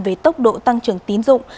về tốc độ tăng trưởng tín dụng